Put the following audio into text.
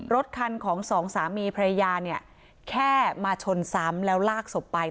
รถคันของสองสามีภรรยาเนี่ยแค่มาชนซ้ำแล้วลากศพไป